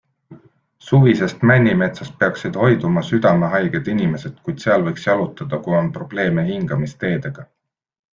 Suvisest männimetsast peaksid hoiduma südamehaiged inimesed, kuid seal võiks jalutada, kui on probleeme hingamisteedega.